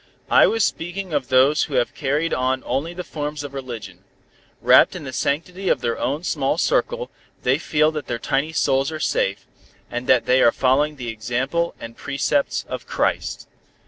"I was speaking of those who have carried on only the forms of religion. Wrapped in the sanctity of their own small circle, they feel that their tiny souls are safe, and that they are following the example and precepts of Christ.